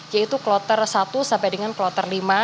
yaitu kloter satu sampai dengan kloter lima